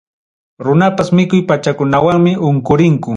Runapas mikuy pachakunawanmi unqurinku.